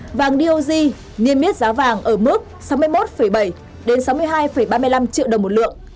giá vàng doj nghiêm miết giá vàng ở mức sáu mươi một bảy sáu mươi hai ba mươi năm triệu đồng một lượng